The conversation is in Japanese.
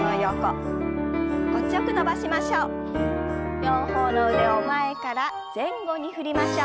両方の腕を前から前後に振りましょう。